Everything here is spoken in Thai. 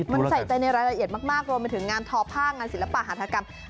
มันใส่ใจในรายละเอียดมากรวมไปถึงงานทอผ้างานศิลปะหัฐกรรม